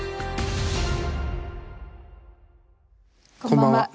こんばんは。